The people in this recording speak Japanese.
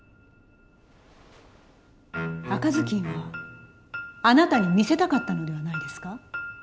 赤ずきんはあなたに見せたかったのではないですか？